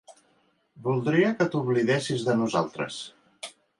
Voldria que t'oblidessis de nosaltres.